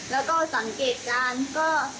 แล้วก็สังเกตการณ์ก็